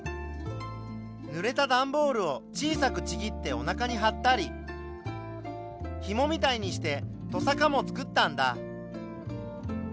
ぬれたダンボールを小さくちぎっておなかにはったりひもみたいにしてとさかもつくったんだ。